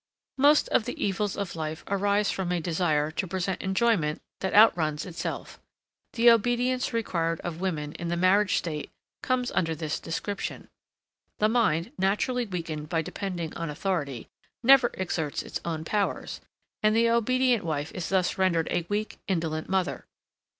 Most of the evils of life arise from a desire of present enjoyment that outruns itself. The obedience required of women in the marriage state, comes under this description; the mind, naturally weakened by depending on authority, never exerts its own powers, and the obedient wife is thus rendered a weak indolent mother.